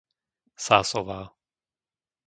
Sásová